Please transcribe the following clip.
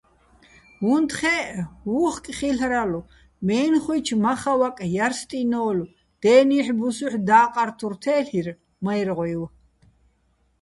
უ̂ნთხე́ჸ, უ̂ხკ ხილ'რალო̆, მე́ნხუჲჩო̆ მახავაკ ჲარსტჲინო́ლო̆, დე́ნიჰ̦-ბუსუ́ჰ̦ და́ყარ თურ თე́ლ'ირ მაჲრღუჲვ.